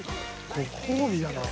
ご褒美だな。